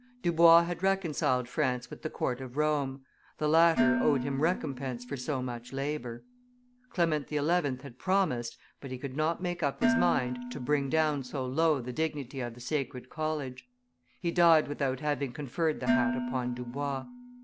Dubois had reconciled France with the court of Rome; the latter owed him recompense for so much labor. Clement XI. had promised, but he could not make up his mind to bring down so low the dignity of the Sacred College; he died without having conferred the hat upon Dubois.